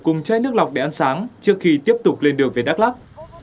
cùng chai nước lọc để ăn sáng trước khi tiếp tục lên đường về đắk lắc